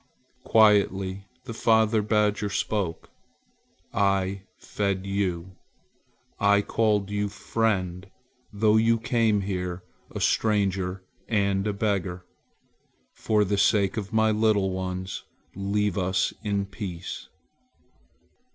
Quietly the father badger spoke: "I fed you. I called you friend, though you came here a stranger and a beggar. For the sake of my little ones leave us in peace."